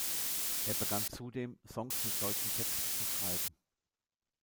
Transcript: Er begann zudem, Songs mit deutschen Texten zu schreiben.